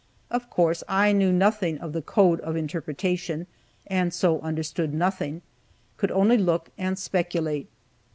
Of course, I knew nothing of the code of interpretation, and so understood nothing, could only look and speculate.